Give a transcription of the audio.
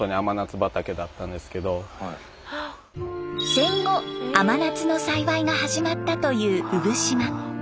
戦後甘夏の栽培が始まったという産島。